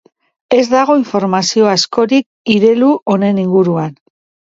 Ez dago informazio askorik irelu honen inguruan.